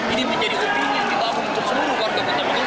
ini menjadi opini kita untuk seluruh warga kota makassar